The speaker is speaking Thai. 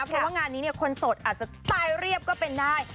เพราะว่างานนี้คนสดอาจจะตายเรียบก็เป็นได้